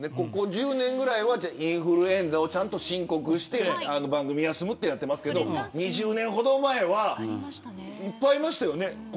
ここ１０年くらいはインフルエンザをちゃんと申告して番組休むってなってますけど２０年ほど前はいっぱいいましたよね。